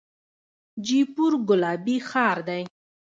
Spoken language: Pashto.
جیپور ګلابي ښار دی.